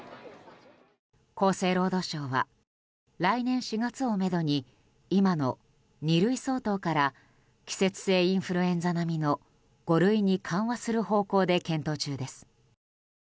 厚生労働省は、来年４月をめどに今の二類相当から季節性インフルエンザ並みの五類に緩和する方向で検討中です。